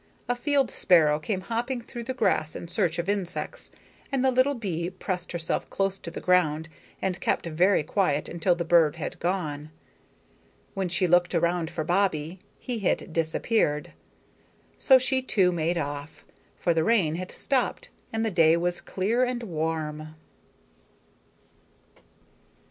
A field sparrow came hopping through the grass in search of insects, and the little bee pressed herself close to the ground and kept very quiet until the bird had gone. When she looked around for Bobbie he had disappeared. So she too made off; for the rain had stopped and the day was clear and warm.